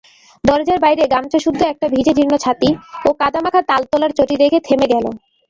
দরজার বাইরে গামছাসুদ্ধ একটা ভিজে জীর্ণ ছাতি ও কাদামাখা তালতলার চটি দেখে থেমে গেল।